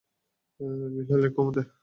Villa lake কোমোতে।